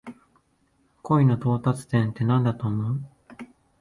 恋の到達点ってなんだと思う？